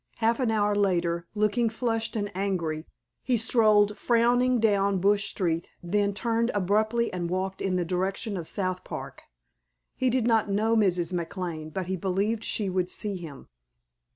Half an hour later, looking flushed and angry, he strolled frowning down Bush street, then turned abruptly and walked in the direction of South Park. He did not know Mrs. McLane but he believed she would see him.